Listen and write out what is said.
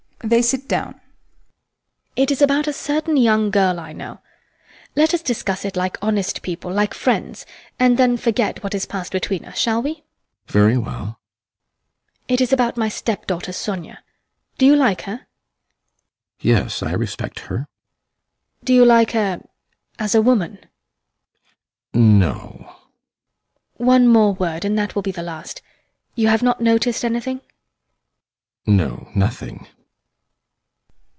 [They sit down] It is about a certain young girl I know. Let us discuss it like honest people, like friends, and then forget what has passed between us, shall we? ASTROFF. Very well. HELENA. It is about my step daughter, Sonia. Do you like her? ASTROFF. Yes, I respect her. HELENA. Do you like her as a woman? ASTROFF. [Slowly] No. HELENA. One more word, and that will be the last. You have not noticed anything? ASTROFF. No, nothing.